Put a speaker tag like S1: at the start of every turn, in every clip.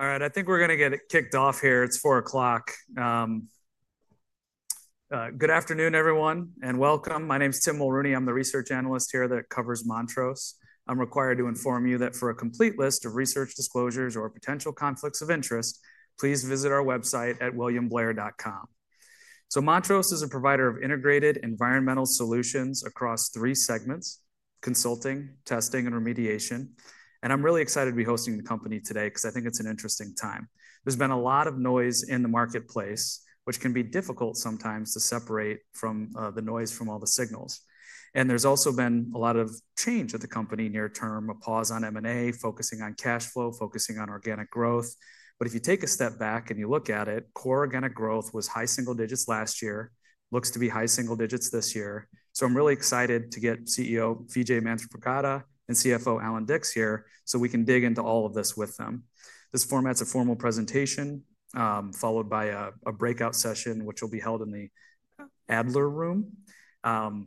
S1: All right, I think we're going to get it kicked off here. It's 4:00. Good afternoon, everyone, and welcome. My name is Tim Mulrooney. I'm the research analyst here that covers Montrose. I'm required to inform you that for a complete list of research disclosures or potential conflicts of interest, please visit our website at williamblair.com. Montrose is a provider of integrated environmental solutions across three segments: consulting, testing, and remediation. I'm really excited to be hosting the company today because I think it's an interesting time. There's been a lot of noise in the marketplace, which can be difficult sometimes to separate the noise from all the signals. There's also been a lot of change at the company near term, a pause on M&A, focusing on cash flow, focusing on organic growth. If you take a step back and you look at it, core organic growth was high single digits last year, looks to be high single digits this year. So I'm really excited to get CEO Vijay Manthripragada and CFO Allan Dicks here so we can dig into all of this with them. This format is a formal presentation followed by a breakout session, which will be held in the Adler room.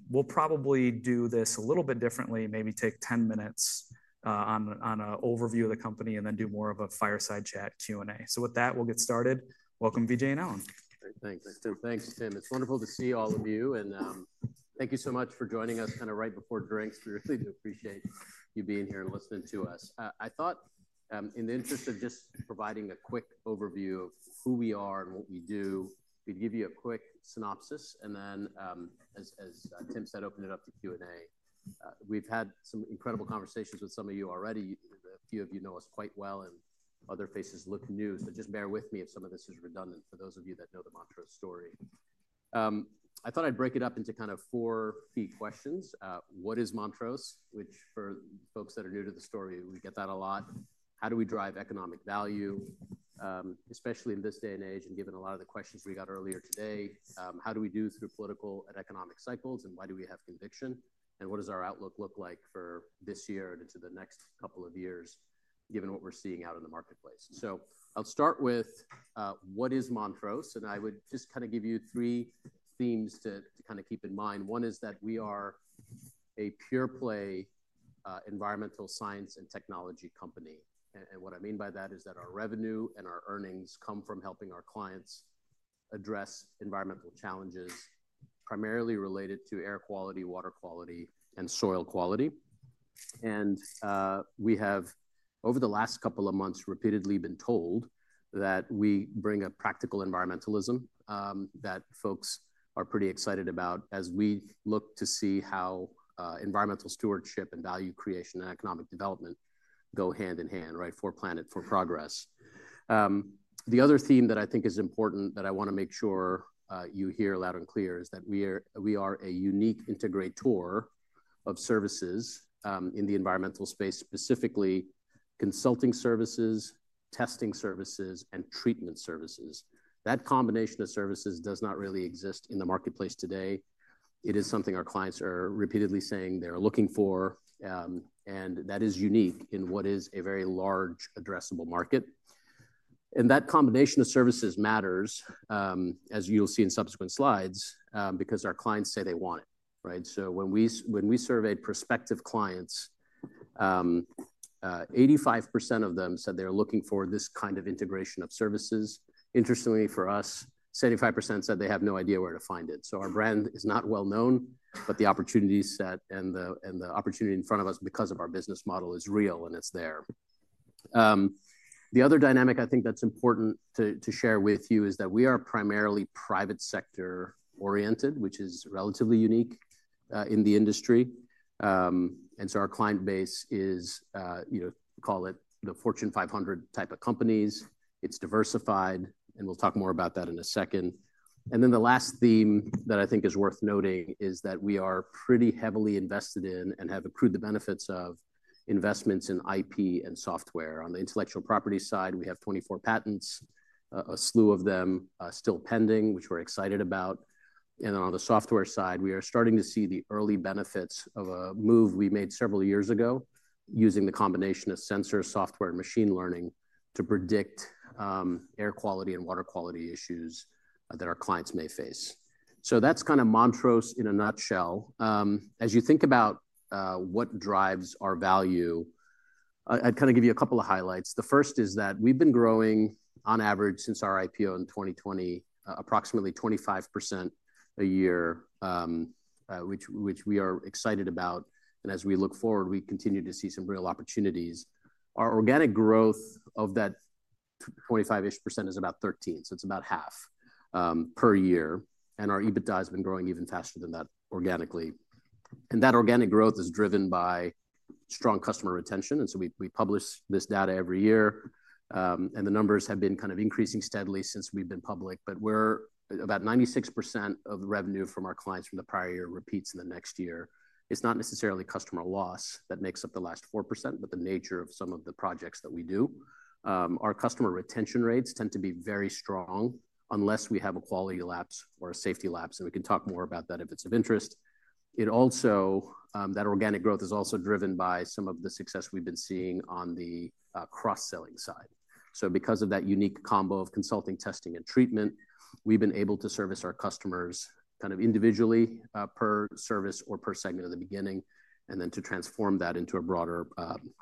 S1: We'll probably do this a little bit differently, maybe take 10 minutes on an overview of the company and then do more of a fireside chat Q&A. With that, we'll get started. Welcome, Vijay and Allan.
S2: Thanks, Tim. It's wonderful to see all of you. Thank you so much for joining us kind of right before drinks. We really do appreciate you being here and listening to us. I thought, in the interest of just providing a quick overview of who we are and what we do, we'd give you a quick synopsis. Then, as Tim said, open it up to Q&A. We've had some incredible conversations with some of you already. A few of you know us quite well, and other faces look new. Just bear with me if some of this is redundant for those of you that know the Montrose story. I thought I'd break it up into kind of four key questions. What is Montrose? Which, for folks that are new to the story, we get that a lot. How do we drive economic value, especially in this day and age and given a lot of the questions we got earlier today? How do we do through political and economic cycles? Why do we have conviction? What does our outlook look like for this year and into the next couple of years, given what we're seeing out in the marketplace? I'll start with what is Montrose. I would just kind of give you three themes to kind of keep in mind. One is that we are a pure-play environmental science and technology company. What I mean by that is that our revenue and our earnings come from helping our clients address environmental challenges primarily related to air quality, water quality, and soil quality. We've over the last couple of months, we have repeatedly been told that we bring a practical environmentalism that folks are pretty excited about as we look to see how environmental stewardship and value creation and economic development go hand in hand, right? For planet, for progress. The other theme that I think is important that I want to make sure you hear loud and clear is that we are a unique integrator of services in the environmental space, specifically consulting services, testing services, and treatment services. That combination of services does not really exist in the marketplace today. It is something our clients are repeatedly saying they are looking for. And that is unique in what is a very large addressable market. That combination of services matters, as you'll see in subsequent slides, because our clients say they want it, right? When we surveyed prospective clients, 85% of them said they are looking for this kind of integration of services. Interestingly for us, 75% said they have no idea where to find it. Our brand is not well known, but the opportunity set and the opportunity in front of us because of our business model is real and it's there. The other dynamic I think that's important to share with you is that we are primarily private sector oriented, which is relatively unique in the industry. Our client base is, call it the Fortune 500 type of companies. It's diversified, and we'll talk more about that in a second. The last theme that I think is worth noting is that we are pretty heavily invested in and have accrued the benefits of investments in IP and software. On the intellectual property side, we have 24 patents, a slew of them still pending, which we're excited about. On the software side, we are starting to see the early benefits of a move we made several years ago using the combination of sensors, software, and machine learning to predict air quality and water quality issues that our clients may face. That is kind of Montrose in a nutshell. As you think about what drives our value, I kind of give you a couple of highlights. The first is that we've been growing on average since our IPO in 2020, approximately 25% a year, which we are excited about. As we look forward, we continue to see some real opportunities. Our organic growth of that 25% is about 13%, so it's about half per year. Our EBITDA has been growing even faster than that organically. That organic growth is driven by strong customer retention. We publish this data every year. The numbers have been kind of increasing steadily since we have been public. We are about 96% of the revenue from our clients from the prior year repeats in the next year. It is not necessarily customer loss that makes up the last 4%, but the nature of some of the projects that we do. Our customer retention rates tend to be very strong unless we have a quality lapse or a safety lapse. We can talk more about that if it is of interest. That organic growth is also driven by some of the success we have been seeing on the cross-selling side. Because of that unique combo of consulting, testing, and treatment, we've been able to service our customers kind of individually per service or per segment in the beginning, and then to transform that into a broader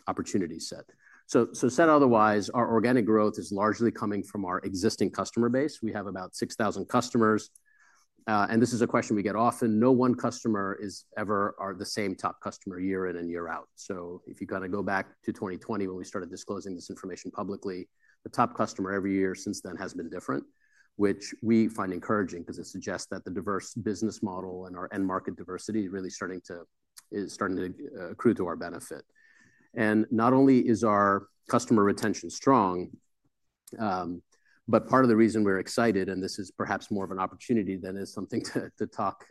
S2: opportunity set. So said otherwise, our organic growth is largely coming from our existing customer base. We have about 6,000 customers. And this is a question we get often. No one customer is ever the same top customer year in and year out. If you kind of go back to 2020 when we started disclosing this information publicly, the top customer every year since then has been different, which we find encouraging because it suggests that the diverse business model and our end market diversity is really starting to accrue to our benefit. Not only is our customer retention strong, but part of the reason we're excited, and this is perhaps more of an opportunity than is something to talk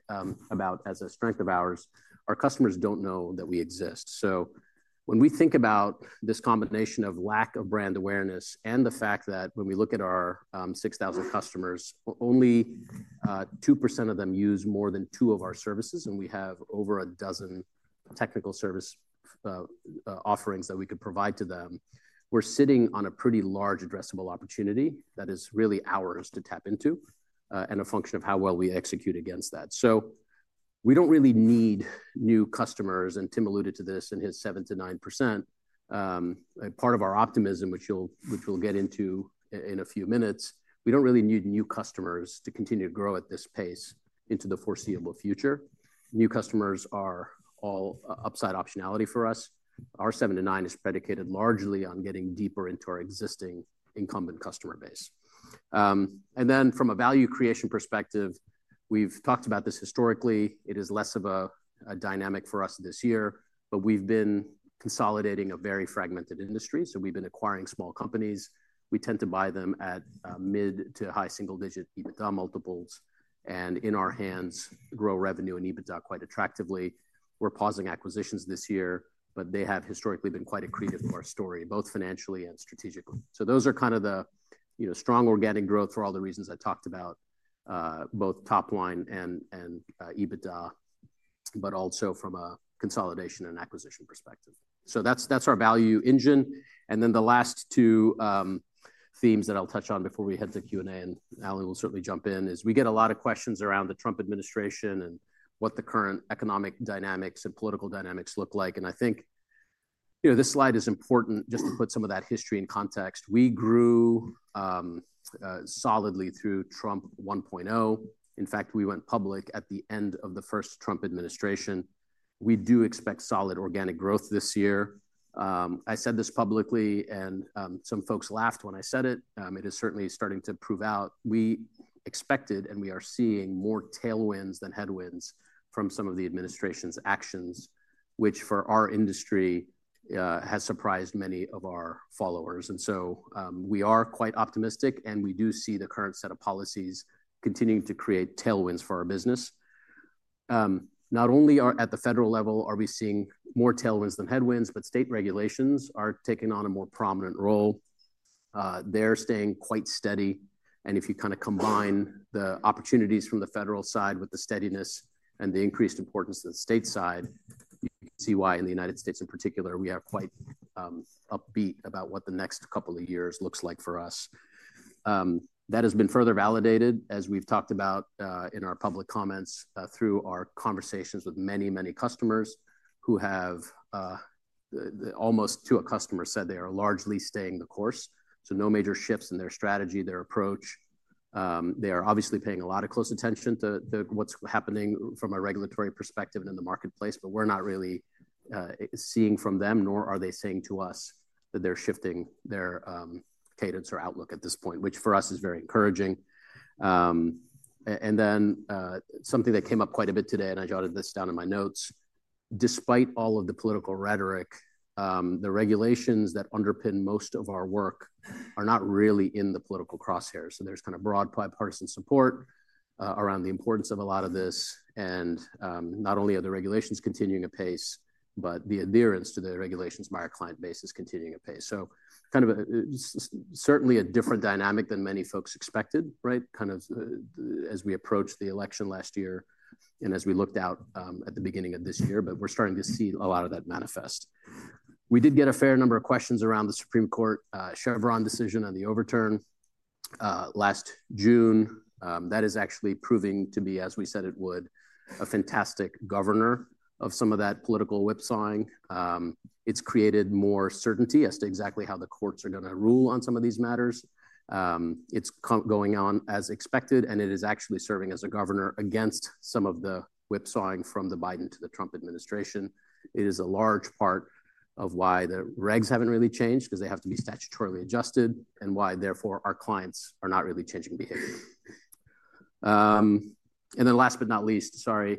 S2: about as a strength of ours, our customers do not know that we exist. So, when we think about this combination of lack of brand awareness and the fact that when we look at our 6,000 customers, only 2% of them use more than two of our services, and we have over a dozen technical service offerings that we could provide to them, we're sitting on a pretty large addressable opportunity that is really ours to tap into and a function of how well we execute against that. So we do not really need new customers, and Tim alluded to this in his 7%-9%. Part of our optimism, which we'll get into in a few minutes, we don't really need new customers to continue to grow at this pace into the foreseeable future. New customers are all upside optionality for us. Our 7%-9% is predicated largely on getting deeper into our existing incumbent customer base. From a value creation perspective, we've talked about this historically. It is less of a dynamic for us this year, but we've been consolidating a very fragmented industry. We've been acquiring small companies. We tend to buy them at mid- to high-single-digit EBITDA multiples and in our hands grow revenue and EBITDA quite attractively. We're pausing acquisitions this year, but they have historically been quite accretive to our story, both financially and strategically. So those are kind of the strong organic growth for all the reasons I talked about, both top line and EBITDA, but also from a consolidation and acquisition perspective. So that's our value engine. The last two themes that I'll touch on before we head to Q&A, and Allan will certainly jump in, is we get a lot of questions around the Trump administration and what the current economic dynamics and political dynamics look like. I think this slide is important just to put some of that history in context. We grew solidly through Trump 1.0. In fact, we went public at the end of the first Trump administration. We do expect solid organic growth this year. I said this publicly, and some folks laughed when I said it. It is certainly starting to prove out. We expected and we are seeing more tailwinds than headwinds from some of the administration's actions, which for our industry has surprised many of our followers. We are quite optimistic, and we do see the current set of policies continuing to create tailwinds for our business. Not only at the federal level are we seeing more tailwinds than headwinds, but state regulations are taking on a more prominent role. They are staying quite steady. If you kind of combine the opportunities from the federal side with the steadiness and the increased importance of the state side, you can see why in the United States in particular, we are quite upbeat about what the next couple of years looks like for us. That has been further validated, as we've talked about in our public comments through our conversations with many, many customers who have almost to a customer said they are largely staying the course. No major shifts in their strategy, their approach. They are obviously paying a lot of close attention to what's happening from a regulatory perspective and in the marketplace, but we're not really seeing from them, nor are they saying to us that they're shifting their cadence or outlook at this point, which for us is very encouraging. Something that came up quite a bit today, and I jotted this down in my notes, despite all of the political rhetoric, the regulations that underpin most of our work are not really in the political crosshairs. There is kind of broad bipartisan support around the importance of a lot of this. Not only are the regulations continuing apace, but the adherence to the regulations by our client base is continuing apace. Kind of certainly a different dynamic than many folks expected, right? Kind of as we approached the election last year and as we looked out at the beginning of this year, but we're starting to see a lot of that manifest. We did get a fair number of questions around the Supreme Court Chevron decision on the overturn last June. That is actually proving to be, as we said it would, a fantastic governor of some of that political whipsawing. It has created more certainty as to exactly how the courts are going to rule on some of these matters. It is going on as expected, and it is actually serving as a governor against some of the whipsawing from the Biden to the Trump administration. It is a large part of why the regs haven't really changed because they have to be statutorily adjusted and why, therefore, our clients are not really changing behavior. Last but not least, sorry,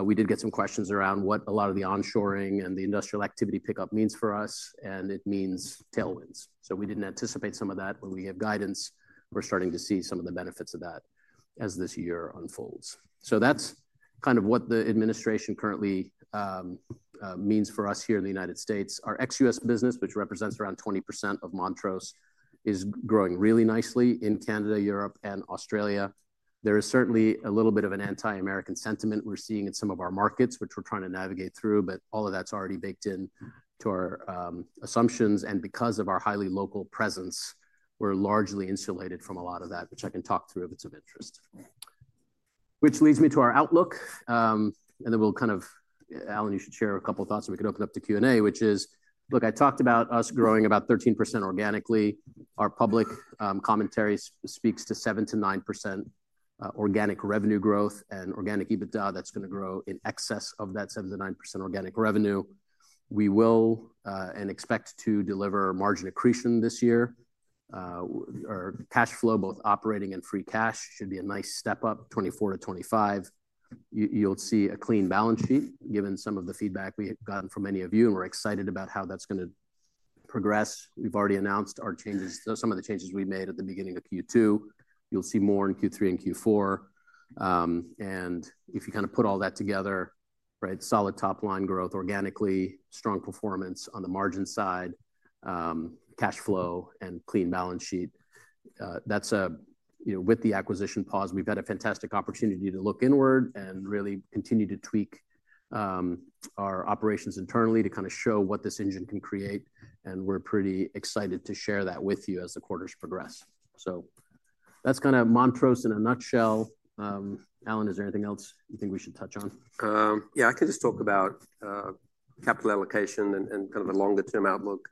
S2: we did get some questions around what a lot of the onshoring and the industrial activity pickup means for us, and it means tailwinds. We didn't anticipate some of that. When we gave guidance, we're starting to see some of the benefits of that as this year unfolds. So that's kind of what the administration currently means for us here in the United States. Our ex-U.S. business, which represents around 20% of Montrose, is growing really nicely in Canada, Europe, and Australia. There is certainly a little bit of an anti-American sentiment we're seeing in some of our markets, which we're trying to navigate through, but all of that's already baked into our assumptions. Because of our highly local presence, we're largely insulated from a lot of that, which I can talk through if it's of interest. Which leads me to our outlook. We'll kind of, Allan, you should share a couple of thoughts so we can open up to Q&A, which is, look, I talked about us growing about 13% organically. Our public commentary speaks to 7%-9% organic revenue growth and organic EBITDA that's going to grow in excess of that 7%-9% organic revenue. We will and expect to deliver margin accretion this year. Our cash flow, both operating and free cash, should be a nice step up, 24 and 25. You'll see a clean balance sheet given some of the feedback we have gotten from many of you, and we're excited about how that's going to progress. We've already announced some of the changes we made at the beginning of Q2. You'll see more in Q3 and Q4. If you kind of put all that together, right, solid top line growth organically, strong performance on the margin side, cash flow, and clean balance sheet. That's with the acquisition pause. We've had a fantastic opportunity to look inward and really continue to tweak our operations internally to kind of show what this engine can create. We're pretty excited to share that with you as the quarters progress. That's kind of Montrose in a nutshell. Allan, is there anything else you think we should touch on?
S3: Yeah, I can just talk about capital allocation and kind of the longer-term outlook.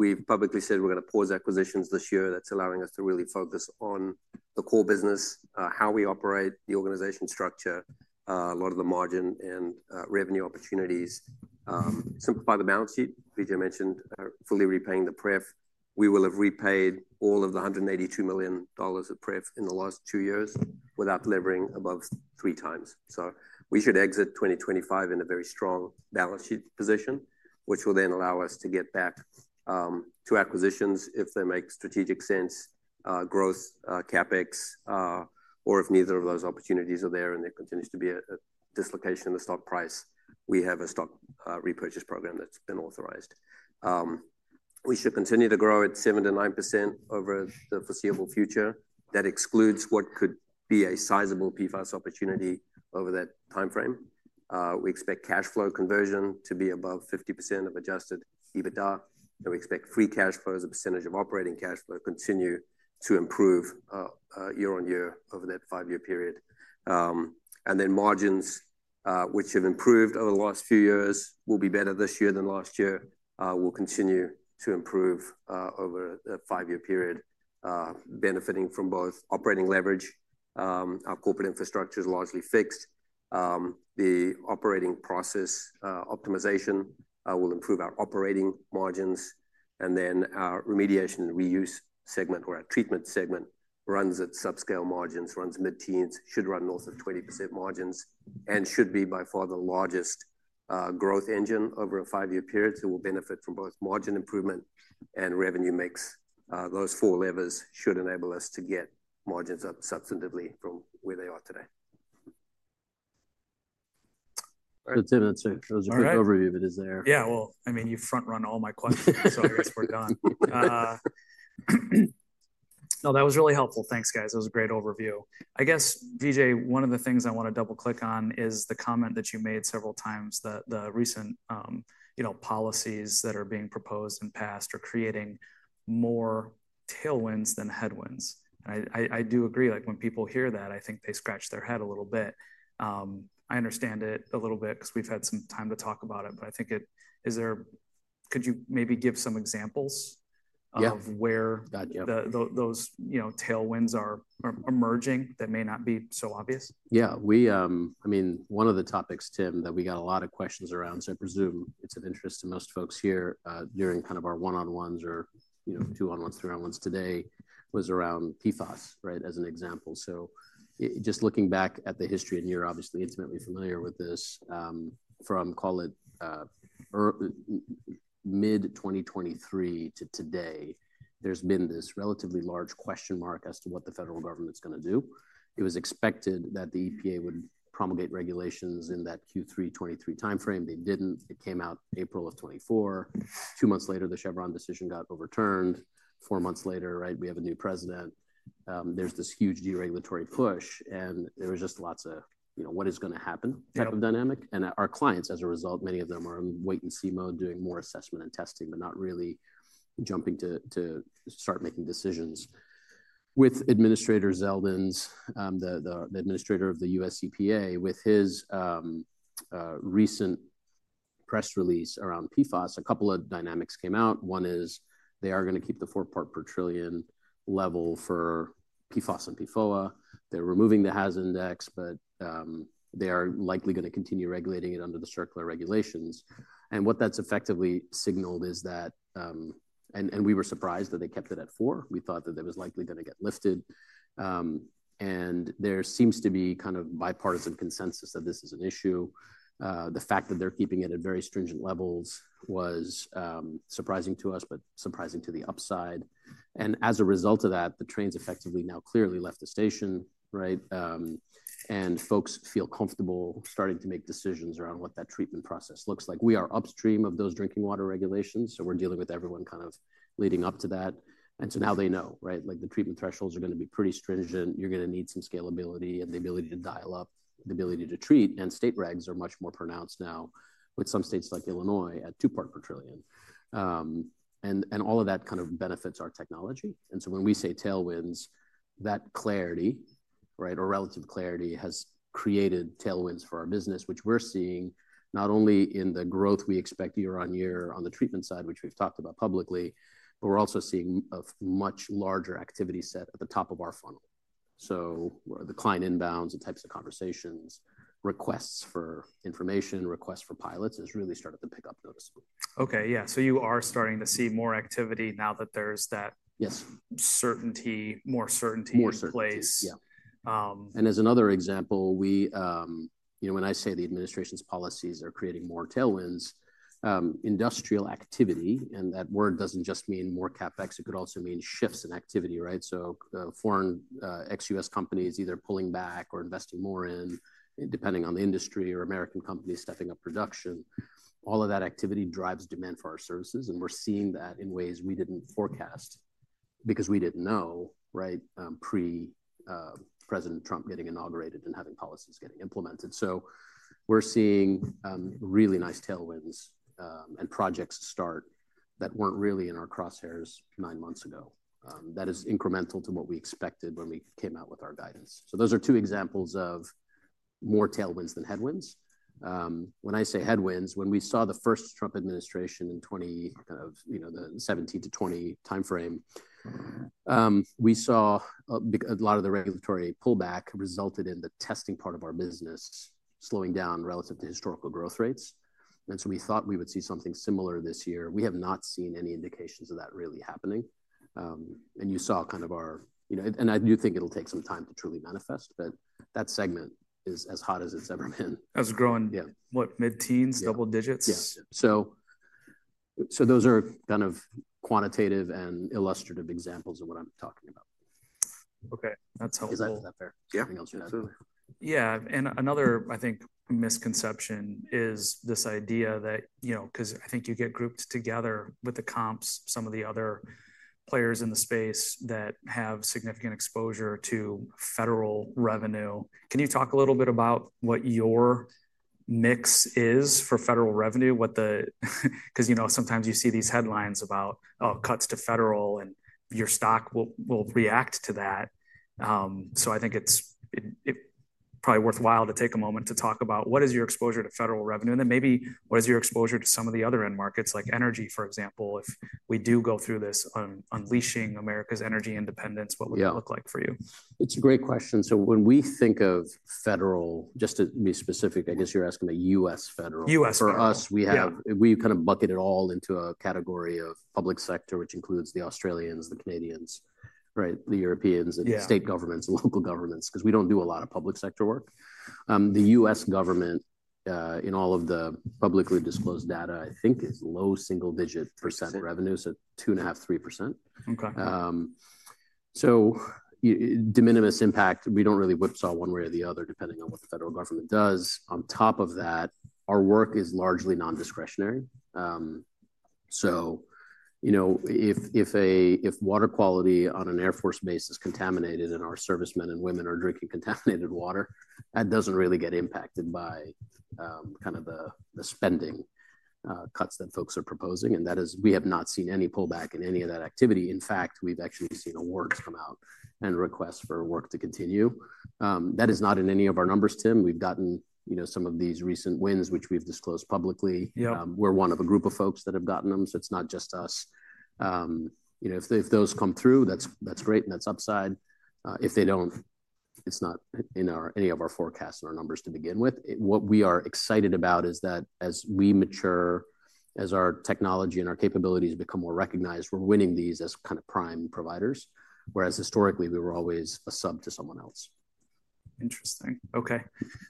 S3: We've publicly said we're going to pause acquisitions this year. That's allowing us to really focus on the core business, how we operate, the organization structure, a lot of the margin and revenue opportunities. Simplify the balance sheet, Vijay mentioned, fully repaying the pref. We will have repaid all of the $182 million of pref in the last two years without delivering above three times. We should exit 2025 in a very strong balance sheet position, which will then allow us to get back to acquisitions if they make strategic sense, growth, CapEx, or if neither of those opportunities are there and there continues to be a dislocation in the stock price, we have a stock repurchase program that's been authorized. We should continue to grow at 7%-9% over the foreseeable future. That excludes what could be a sizable PFAS opportunity over that timeframe. We expect cash flow conversion to be above 50% of adjusted EBITDA. We expect free cash flows, as a percentage of operating cash flow, to continue to improve year-on-year over that five-year period. Margins, which have improved over the last few years, will be better this year than last year. We'll continue to improve over the five-year period, benefiting from both operating leverage. Our corporate infrastructure is largely fixed. The operating process optimization I will improve our operating margins. Our remediation and reuse segment, or our treatment segment, runs at subscale margins, runs mid-teens, should run north of 20% margins, and should be by far the largest growth engine over a five-year period. We will benefit from both margin improvement and revenue mix. Those four levers should enable us to get margins up substantively from where they are today.
S2: Tim, that's a great overview of it, isn't there?
S1: I mean, you front-run all my questions. Sorry, it's forgotten. No, that was really helpful. Thanks, guys. That was a great overview. I guess, Vijay, one of the things I want to double-click on is the comment that you made several times, that the recent policies that are being proposed and passed are creating more tailwinds than headwinds. I do agree. When people hear that, I think they scratch their head a little bit. I understand it a little bit because we've had some time to talk about it, but I think it is there. Could you maybe give some examples of where those tailwinds are emerging that may not be so obvious?
S2: Yeah. I mean, one of the topics, Tim, that we got a lot of questions around, so I presume it's of interest to most folks here during kind of our one-on-ones or two-on-ones, three-on-ones today, was around PFAS, right, as an example. Just looking back at the history, and you're obviously intimately familiar with this, from, call it, mid-2023 to today, there's been this relatively large question mark as to what the federal government's going to do. It was expected that the EPA would promulgate regulations in that Q3 2023 timeframe. They didn't. It came out April of 2024. Two months later, the Chevron decision got overturned. Four months later, right, we have a new president. There's this huge deregulatory push, and there was just lots of what is going to happen type of dynamic. Our clients, as a result, many of them are in wait-and-see mode, doing more assessment and testing, but not really jumping to start making decisions. With Administrator Zeldin, the administrator of the U.S. EPA, with his recent press release around PFAS, a couple of dynamics came out. One is they are going to keep the four parts per trillion level for PFAS and PFOA. They're removing the HAZ index, but they are likely going to continue regulating it under the circular regulations. What that's effectively signaled is that, and we were surprised that they kept it at four. We thought that it was likely going to get lifted. There seems to be kind of bipartisan consensus that this is an issue. The fact that they're keeping it at very stringent levels was surprising to us, but surprising to the upside. As a result of that, the train's effectively now clearly left the station, right? Folks feel comfortable starting to make decisions around what that treatment process looks like. We are upstream of those drinking water regulations, so we're dealing with everyone kind of leading up to that. Now they know, right? The treatment thresholds are going to be pretty stringent. You're going to need some scalability and the ability to dial up, the ability to treat. State regs are much more pronounced now with some states like Illinois at two parts per trillion. All of that kind of benefits our technology. When we say tailwinds, that clarity, right, or relative clarity has created tailwinds for our business, which we're seeing not only in the growth we expect year-on-year on the treatment side, which we've talked about publicly, but we're also seeing a much larger activity set at the top of our funnel. The client inbounds and types of conversations, requests for information, requests for pilots has really started to pick up noticeably.
S1: Okay. Yeah. You are starting to see more activity now that there's that certainty, more certainty in place.
S2: Yeah. As another example, when I say the administration's policies are creating more tailwinds, industrial activity, and that word doesn't just mean more CapEx. It could also mean shifts in activity, right? Foreign ex-U.S. companies either pulling back or investing more in, depending on the industry, or American companies stepping up production. All of that activity drives demand for our services, and we're seeing that in ways we didn't forecast because we didn't know, right, pre-President Trump getting inaugurated and having policies getting implemented. We're seeing really nice tailwinds and projects start that weren't really in our crosshairs nine months ago. That is incremental to what we expected when we came out with our guidance. Those are two examples of more tailwinds than headwinds. When I say headwinds, when we saw the first Trump administration in 2017-2020 timeframe, we saw a lot of the regulatory pullback resulted in the testing part of our business slowing down relative to historical growth rates. We thought we would see something similar this year. We have not seen any indications of that really happening. You saw kind of our, and I do think it'll take some time to truly manifest, but that segment is as hot as it's ever been.
S1: That's growing, what, mid-teens, double digits?
S2: Yes. Those are kind of quantitative and illustrative examples of what I'm talking about.
S1: Okay. That's helpful.
S2: Is that fair? Yeah. Anything else you had?
S3: Absolutely.
S1: Yeah. Another, I think, misconception is this idea that, because I think you get grouped together with the comps, some of the other players in the space that have significant exposure to federal revenue. Can you talk a little bit about what your mix is for federal revenue? Because sometimes you see these headlines about cuts to federal and your stock will react to that. I think it's probably worthwhile to take a moment to talk about what is your exposure to federal revenue? Maybe what is your exposure to some of the other end markets, like energy, for example? If we do go through this unleashing America's energy independence, what would that look like for you?
S2: It's a great question. When we think of federal, just to be specific, I guess you're asking the U.S. federal.
S1: U.S. federal.
S2: For us, we kind of bucket it all into a category of public sector, which includes the Australians, the Canadians, the Europeans, and state governments, local governments, because we don't do a lot of public sector work. The U.S. government, in all of the publicly disclosed data, I think is low single-digit percentage revenue, so 2.5%, 3%. De minimis impact, we don't really whipsaw one way or the other depending on what the federal government does. On top of that, our work is largely non-discretionary. If water quality on an air force base is contaminated and our servicemen and women are drinking contaminated water, that does not really get impacted by kind of the spending cuts that folks are proposing. That is, we have not seen any pullback in any of that activity. In fact, we have actually seen awards come out and requests for work to continue. That is not in any of our numbers, Tim. We have gotten some of these recent wins, which we have disclosed publicly. We are one of a group of folks that have gotten them, so it is not just us. If those come through, that is great and that is upside. If they do not, it is not in any of our forecasts and our numbers to begin with. What we are excited about is that as we mature, as our technology and our capabilities become more recognized, we're winning these as kind of prime providers, whereas historically we were always a sub to someone else.
S1: Interesting. Okay.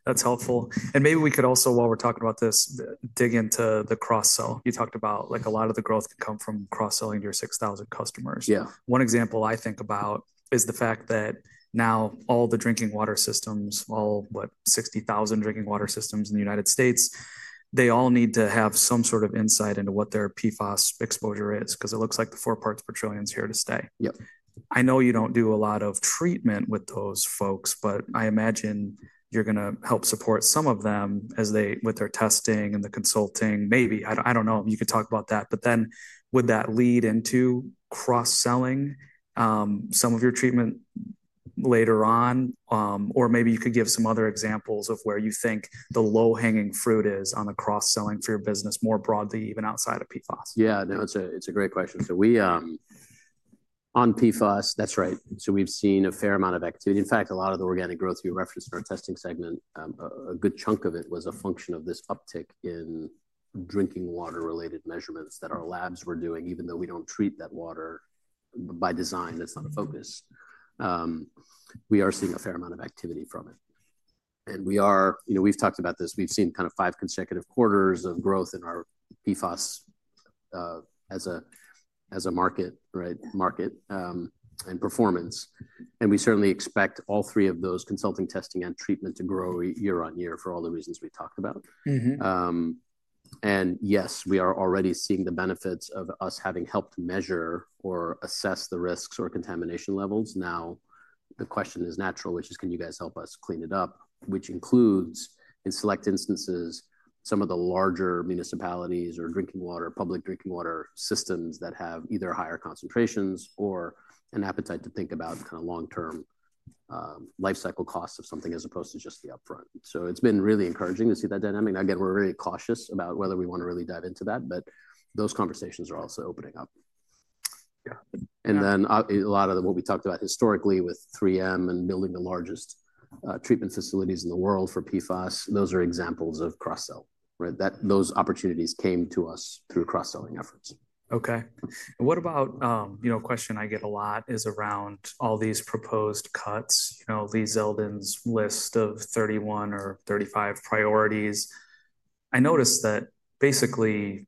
S1: That's helpful. Maybe we could also, while we're talking about this, dig into the cross-sell. You talked about a lot of the growth can come from cross-selling to your 6,000 customers. One example I think about is the fact that now all the drinking water systems, all, what, 60,000 drinking water systems in the United States, they all need to have some sort of insight into what their PFAS exposure is because it looks like the four parts per trillion is here to stay.
S2: Yeah
S1: I know you do not do a lot of treatment with those folks, but I imagine you are going to help support some of them with their testing and the consulting, maybe. I do not know. You could talk about that. Would that lead into cross-selling some of your treatment later on? Or maybe you could give some other examples of where you think the low-hanging fruit is on the cross-selling for your business more broadly, even outside of PFAS?
S2: Yeah, no, it is a great question. On PFAS, that is right. We have seen a fair amount of activity. In fact, a lot of the organic growth you referenced in our testing segment, a good chunk of it was a function of this uptick in drinking water-related measurements that our labs were doing, even though we do not treat that water by design. That is not a focus. We are seeing a fair amount of activity from it. We have talked about this. We have seen kind of five consecutive quarters of growth in our PFAS as a market, right, market and performance. We certainly expect all three of those, consulting, testing, and treatment, to grow year-on-year for all the reasons we talked about. And yes, we are already seeing the benefits of us having helped measure or assess the risks or contamination levels. Now the question is natural, which is, can you guys help us clean it up, which includes, in select instances, some of the larger municipalities or public drinking water systems that have either higher concentrations or an appetite to think about kind of long-term lifecycle cost of something as opposed to just the upfront. It has been really encouraging to see that dynamic. We're very cautious about whether we want to really dive into that, but those conversations are also opening up. A lot of what we talked about historically with 3M and building the largest treatment facilities in the world for PFAS, those are examples of cross-sell, right? Those opportunities came to us through cross-selling efforts.
S1: Okay. What about a question I get a lot is around all these proposed cuts, Lee Zeldin's list of 31 or 35 priorities. I noticed that basically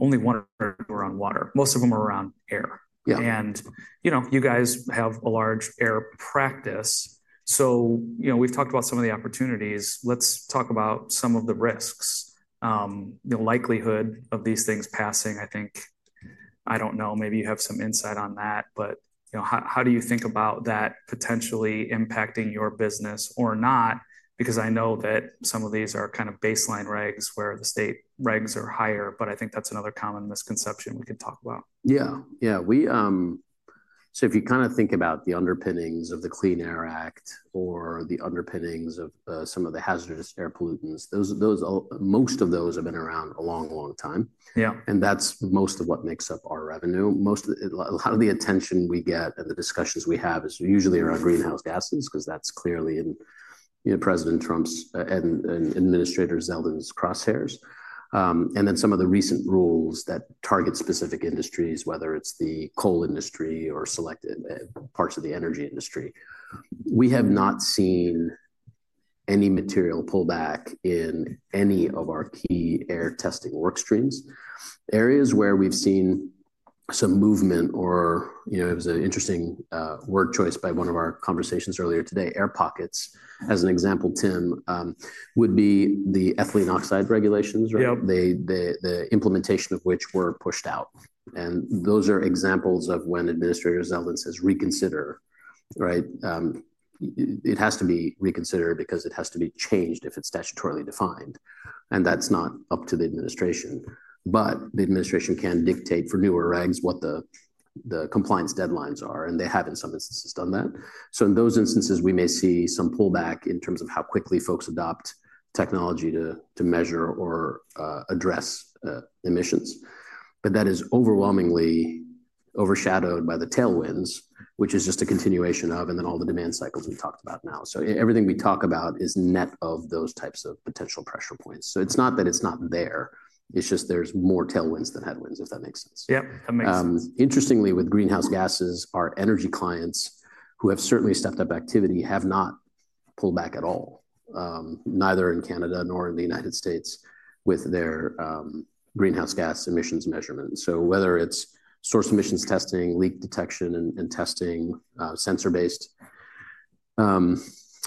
S1: only one or two are on water. Most of them are around air. You guys have a large air practice. We've talked about some of the opportunities. Let's talk about some of the risks, the likelihood of these things passing. I think, I don't know, maybe you have some insight on that, but how do you think about that potentially impacting your business or not? Because I know that some of these are kind of baseline regs where the state regs are higher, but I think that's another common misconception we could talk about.
S2: Yeah. Yeah. If you kind of think about the underpinnings of the Clean Air Act or the underpinnings of some of the hazardous air pollutants, most of those have been around a long, long time. That's most of what makes up our revenue. A lot of the attention we get and the discussions we have is usually around greenhouse gases because that's clearly in President Trump's and Administrator Zeldin's crosshairs. Some of the recent rules that target specific industries, whether it is the coal industry or selected parts of the energy industry, we have not seen any material pullback in any of our key air testing workstreams. Areas where we have seen some movement, or it was an interesting word choice by one of our conversations earlier today, air pockets, as an example, Tim, would be the ethylene oxide regulations, right? The implementation of which were pushed out. Those are examples of when Administrator Zeldin says reconsider, right? It has to be reconsidered because it has to be changed if it is statutorily defined. That is not up to the administration. But the administration can dictate for newer regs what the compliance deadlines are, and they have in some instances done that. So in those instances, we may see some pullback in terms of how quickly folks adopt technology to measure or address emissions. But that is overwhelmingly overshadowed by the tailwinds, which is just a continuation of, and then all the demand cycles we talked about now. Everything we talk about is net of those types of potential pressure points. It is not that it is not there. There are just more tailwinds than headwinds, if that makes sense.
S1: Yep. That makes sense.
S2: Interestingly, with greenhouse gases, our energy clients who have certainly stepped up activity have not pulled back at all, neither in Canada nor in the United States with their greenhouse gas emissions measurements. Whether it is source emissions testing, leak detection and testing, sensor-based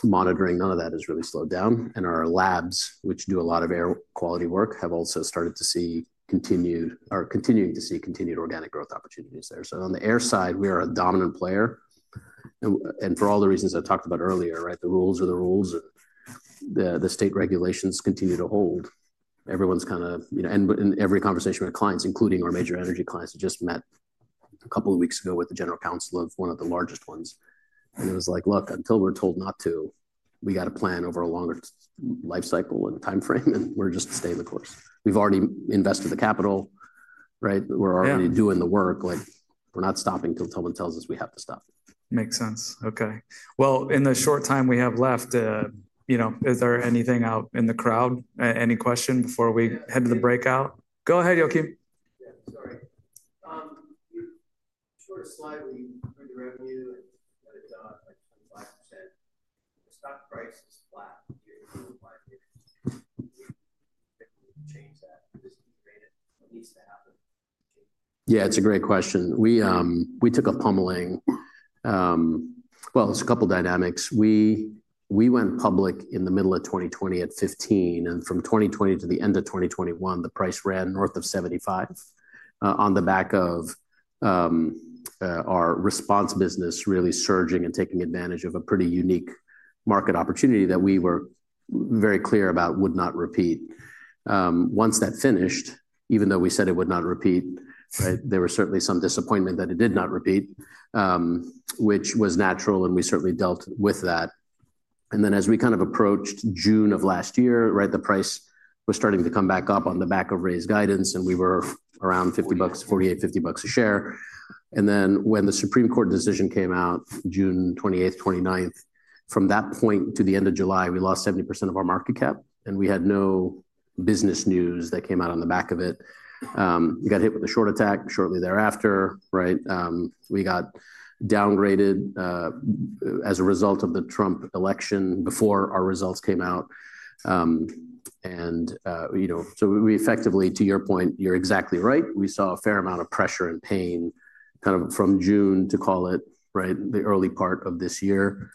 S2: monitoring, none of that has really slowed down. Our labs, which do a lot of air quality work, have also started to see continued or continuing to see continued organic growth opportunities there. On the air side, we are a dominant player. For all the reasons I talked about earlier, the rules are the rules, and the state regulations continue to hold. Everyone's kind of, and every conversation with clients, including our major energy clients, just met a couple of weeks ago with the general counsel of one of the largest ones. It was like, "Look, until we're told not to, we got to plan over a longer lifecycle and timeframe, and we're just to stay the course." We've already invested the capital, right? We're already doing the work. We're not stopping until someone tells us we have to stop.
S1: Makes sense. Okay. In the short time we have left, is there anything out in the crowd? Any question before we head to the breakout? Go ahead, Joachim. Yeah. Sorry. Short slide when you bring the revenue and let it die by 25%. The stock price is flat here in the five years. We definitely change that. It needs to happen.
S2: Yeah. It's a great question. We took a pummeling. There's a couple of dynamics. We went public in the middle of 2020 at 15, and from 2020 to the end of 2021, the price ran north of 75 on the back of our response business really surging and taking advantage of a pretty unique market opportunity that we were very clear about would not repeat. Once that finished, even though we said it would not repeat, there was certainly some disappointment that it did not repeat, which was natural, and we certainly dealt with that. As we kind of approached June of last year, right, the price was starting to come back up on the back of raised guidance, and we were around $48-$50 a share. When the Supreme Court decision came out, June 28th, 29th, from that point to the end of July, we lost 70% of our market cap, and we had no business news that came out on the back of it. We got hit with a short attack shortly thereafter, right? We got downgraded as a result of the Trump election before our results came out. We effectively, to your point, you're exactly right. We saw a fair amount of pressure and pain kind of from June to, call it, right, the early part of this year.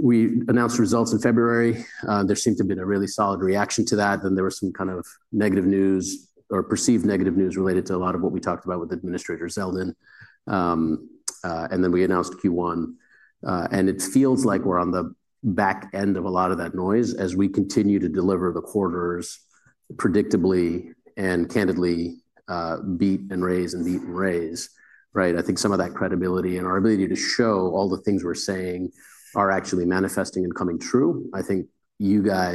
S2: We announced results in February. There seemed to have been a really solid reaction to that. There was some kind of negative news or perceived negative news related to a lot of what we talked about with Administrator Zeldin. We announced Q1. It feels like we are on the back end of a lot of that noise as we continue to deliver the quarters predictably and candidly beat and raise and beat and raise, right? I think some of that credibility and our ability to show all the things we are saying are actually manifesting and coming true. I think you guys.